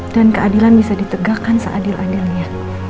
dan keadilan bisa ditegakkan seadil adilnya